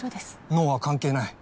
脳は関係ない？